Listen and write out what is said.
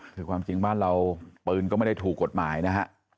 คือความจริงบ้านเราปืนก็ไม่ได้ถูกกฎหมายนะฮะ